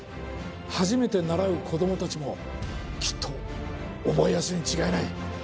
初めて習う子どもたちもきっと覚えやすいにちがいない！